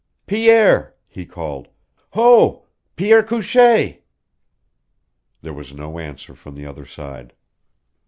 "Pierre!" he called. "Ho! Pierre Couchee!" There was no answer from the other side.